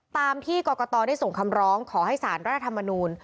ตามที่กรกตได้ส่งคำร้องขอให้สารรัฐธรรมนูล